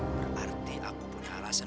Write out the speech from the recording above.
berarti aku punya alasan